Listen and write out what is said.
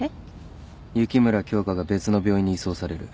雪村京花が別の病院に移送される。